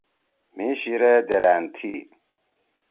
مھی شیِرے دیرأن تھی۔